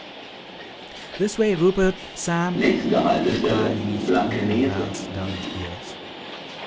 "This way, Rupert! Sam!" the cry reached even Val's dulled ears.